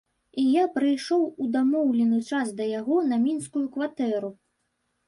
І я прыйшоў у дамоўлены час да яго на мінскую кватэру.